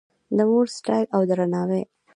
د مور ستایل او درناوی